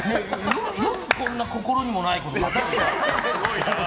よくこんな心にもないことを。